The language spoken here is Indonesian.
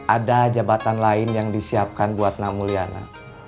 ada jabatan lain yang disiapkan buat namulyana